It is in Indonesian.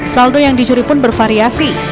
saldo yang dicuri pun bervariasi